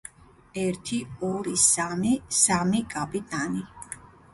ერთი ორი სამი სამი კაპიტანი